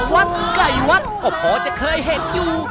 วัดไก่วัดก็พอจะเคยเห็นอยู่